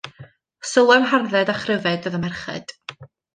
Sylwem hardded a chryfed oedd y merched.